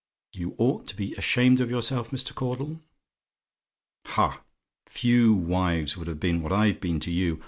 You ought to be ashamed of yourself, Mr. Caudle. Ha! few wives would have been what I've been to you.